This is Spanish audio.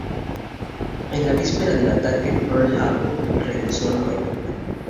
En la víspera del ataque a Pearl Harbor, regresó a Nueva York.